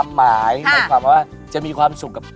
แต่ยที่มาท้าทายความสามาร์ฏ